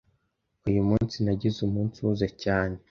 Uyu munsi nagize umunsi uhuze cyane.